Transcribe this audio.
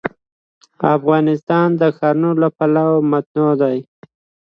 افغانستان د ښارونه له پلوه متنوع دی.